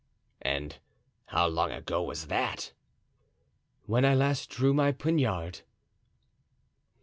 "And how long ago was that?" "When I last drew my poniard."